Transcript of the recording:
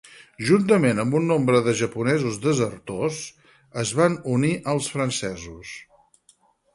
Juntament amb un nombre de japonesos desertors, es van unir als francesos.